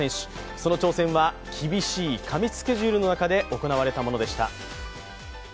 その挑戦は厳しい過密スケジュールの中で行われたものでした。